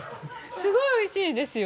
すごいおいしいですよ！